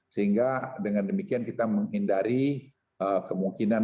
sehingga dengan demikian kita menghindari kemungkinan